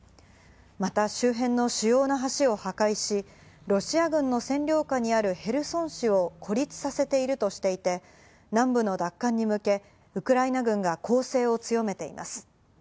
また周辺の主要な橋を破壊し、ロシア軍の占領下にあるヘルソン市を孤立させているとしていて、南部の奪還に向け、ウクライナ軍が攻勢を強めています。